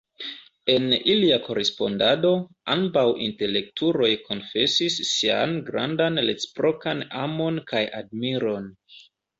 En ilia korespondado, ambaŭ intelektuloj konfesis sian grandan reciprokan amon kaj admiron.